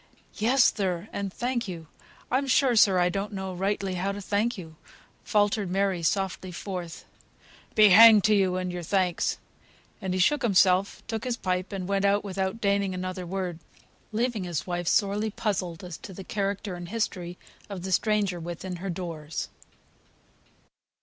"Yes, sir, and thank you. I'm sure, sir, I don't know rightly how to thank you," faltered Mary, softly forth. "Be hanged to you and your thanks." And he shook himself, took his pipe, and went out without deigning another word; leaving his wife sorely puzzled as to the character and history of the stranger within her doors.